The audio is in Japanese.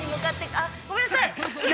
あっ、ごめんなさい。